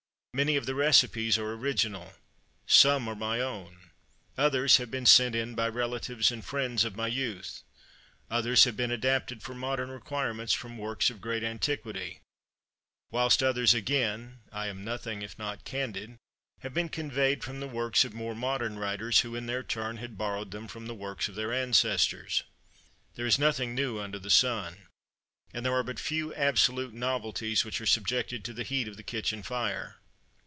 Many of the recipes are original; some are my own; others have been sent in by relatives, and friends of my youth; others have been adapted for modern requirements from works of great antiquity; whilst others again I am nothing if not candid have been "conveyed" from the works of more modern writers, who in their turn had borrowed them from the works of their ancestors. There is nothing new under the sun; and there are but few absolute novelties which are subjected to the heat of the kitchen fire.